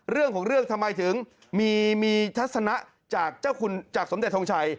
เรื่องของเรื่องทำไมถึงมีทัศนะจากสมเด็จทงชัย